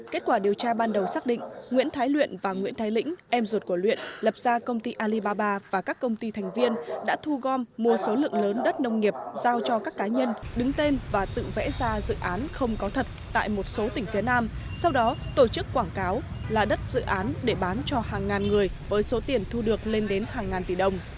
kết quả điều tra ban đầu xác định nguyễn thái luyện và nguyễn thái lĩnh em ruột của luyện lập ra công ty alibaba và các công ty thành viên đã thu gom mua số lượng lớn đất nông nghiệp giao cho các cá nhân đứng tên và tự vẽ ra dự án không có thật tại một số tỉnh phía nam sau đó tổ chức quảng cáo là đất dự án để bán cho hàng ngàn người với số tiền thu được lên đến hàng ngàn tỷ đồng